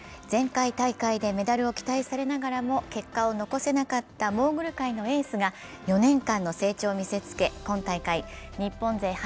前回大会でメダルを期待されながらも結果を残せなかったモーグル界エースが４年間の成長を見せつけ今大会日本勢